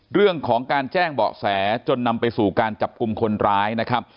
เรื่องของการแจ้งเบาะแสจนนำไปสู่การจับกลุ่มคนร้ายนะครับ